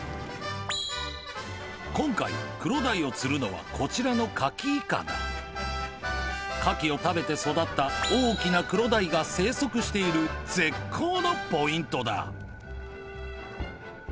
今回クロダイを釣るのはこちらのカキいかだカキを食べて育った大きなクロダイが生息している絶好のポイントだ